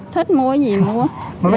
thích mua cái gì mình mua